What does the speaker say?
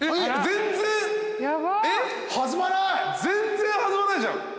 全然弾まないじゃん。